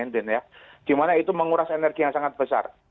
dimana itu menguras energi yang sangat besar